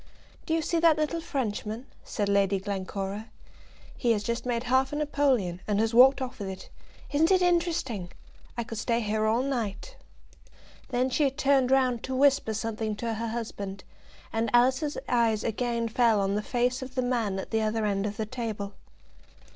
"Do you see that little Frenchman?" said Lady Glencora. "He has just made half a napoleon, and has walked off with it. Isn't it interesting? I could stay here all the night." Then she turned round to whisper something to her husband, and Alice's eyes again fell on the face of the man at the other end of the table.